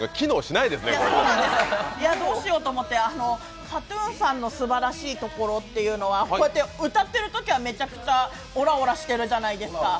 どうしようと思って、ＫＡＴ−ＴＵＮさんのすばらしいところってこうやって歌っているときは、めちゃくちゃおらおらしているじゃないですか。